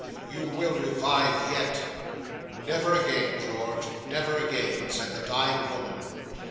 You will revive yet." '"Never again, George; never again," said the dying woman.